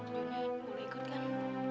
junya boleh ikut kan